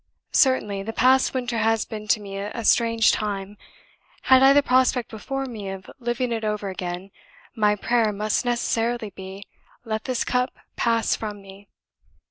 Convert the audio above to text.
"Certainly, the past winter has been to me a strange time; had I the prospect before me of living it over again, my prayer must necessarily be, 'Let this cup pass from me.'